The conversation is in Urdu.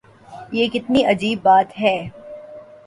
یہ کتنی عجیب بات ہے۔